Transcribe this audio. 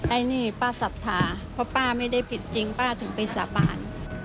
ไอ้นี่ป้าศรัทธาเพราะป้าไม่ได้ผิดจริงป้าถึงไปสาบาน